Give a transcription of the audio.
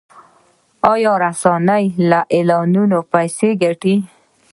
آیا رسنۍ له اعلاناتو پیسې ګټي؟